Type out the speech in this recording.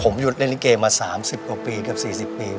ผมหยุดเล่นลิเกมา๓๐กว่าปีเกือบ๔๐ปี